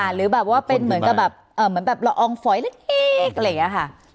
หรือแบบว่าเป็นเหมือนกับแบบเหมือนแบบละอองฝอยเล็กเอกอะไรอย่างนี้ค่ะ